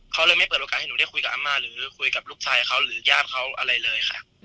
เขาเลยไม่เปิดโอกาสให้หนูได้คุยกับอาม่าหรือคุยกับลูกชายเขาหรือญาติเขาอะไรเลยค่ะ